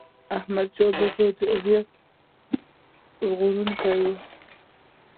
احمد شاه بابا د هویت ژغورونکی و.